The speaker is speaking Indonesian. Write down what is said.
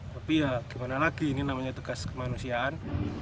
tapi ya gimana lagi ini namanya tugas kemanusiaan